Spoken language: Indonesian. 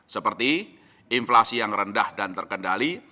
seperti inflasi yang rendah dan terkendali